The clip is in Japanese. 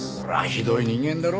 ひどい人間だろ？